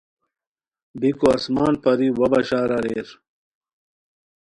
بیکو آسمان پری وا بشار اریر